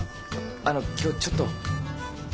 あの今日ちょっと。